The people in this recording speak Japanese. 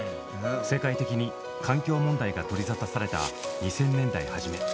世界的に環境問題が取り沙汰された２０００年代初め